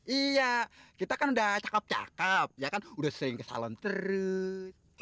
iya kita kan udah cakep cakap ya kan udah sering kesalon terus